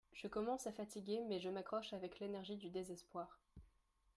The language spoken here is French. Je commence à fatiguer mais je m'accroche avec l'énergie du désespoir